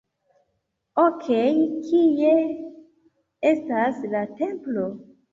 Okej, kie estas la templo?